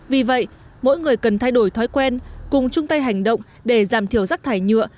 vì vậy mỗi người cần thay đổi thói quen cùng chung tay hành động để giảm thiểu rác thải nhựa